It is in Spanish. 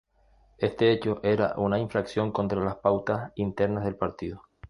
Este hecho era una infracción contra las pautas internas del partido.